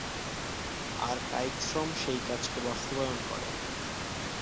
আর কায়িক শ্রম সেই কাজকে বাস্তবায়ন করে।